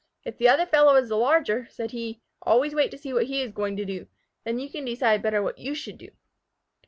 "If the other fellow is the larger," said he, "always wait to see what he is going to do. Then you can decide better what you should do."